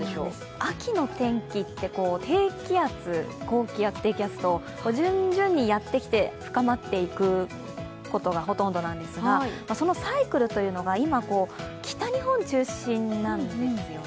秋の天気って、低気圧、高気圧、低気圧と順々にやってきて深まってくるんですが、そのサイクルというのが今、北日本中心なんですよね。